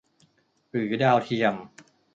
หรือดาวเทียม